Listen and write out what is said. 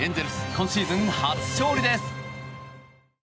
今シーズン初勝利です。